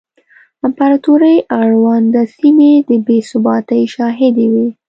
امپراتورۍ اړونده سیمې د بې ثباتۍ شاهدې وې